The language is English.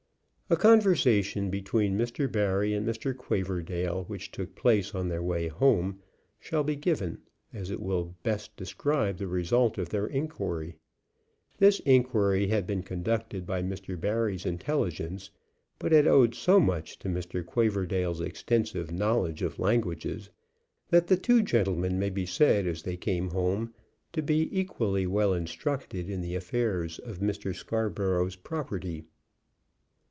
A conversation between Mr. Barry and Mr. Quaverdale, which took place on their way home, shall be given, as it will best describe the result of their inquiry. This inquiry had been conducted by Mr. Barry's intelligence, but had owed so much to Mr. Quaverdale's extensive knowledge of languages, that the two gentlemen may be said, as they came home, to be equally well instructed in the affairs of Mr. Scarborough's property.